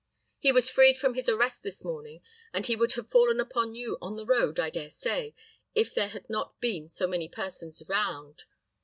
He was freed from his arrest this morning, and he would have fallen upon you on the road, I dare say, if there had not been so many persons round."